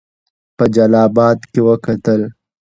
په جلا آباد کې وکتل.